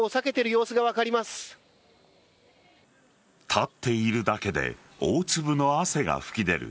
立っているだけで大粒の汗が噴き出る